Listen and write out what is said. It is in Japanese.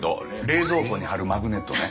冷蔵庫に貼るマグネットね。